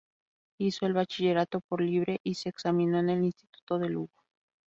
Hizo el bachillerato por libre y se examinó en el Instituto de Lugo.